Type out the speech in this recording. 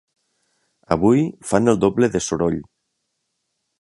Avui fan el doble de soroll.